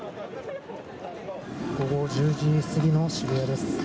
午後１０時過ぎの渋谷です。